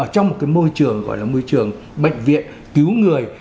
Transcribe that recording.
trong một môi trường gọi là môi trường bệnh viện cứu người